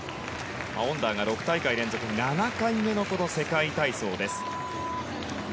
オンダーが６大会連続７回目の世界体操です。